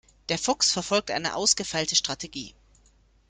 Der Fuchs verfolgt eine ausgefeilte Strategie.